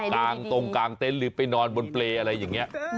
งตรงกลางเต็นต์หรือไปนอนบนเปรย์อะไรอย่างนี้